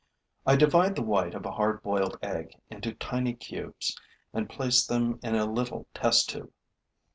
I divide the white of a hard boiled egg into tiny cubes and place them in a little test tube.